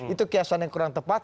itu kiasan yang kurang tepat